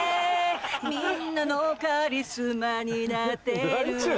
みんなのカリスマになってるよ